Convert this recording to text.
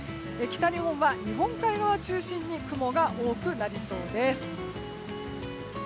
北日本は日本海側中心に雲が多くなりそうです。